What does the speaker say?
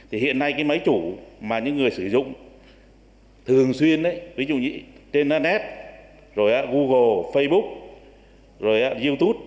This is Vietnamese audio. hiện nay máy chủ mà những người sử dụng thường xuyên ví dụ như trên internet google facebook youtube